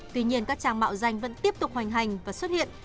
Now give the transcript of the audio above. tuy nhiên các trang mạo danh vẫn tiếp tục hoành hành và xuất hiện